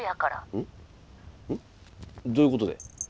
どういうことで？